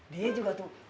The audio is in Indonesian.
dia juga tuh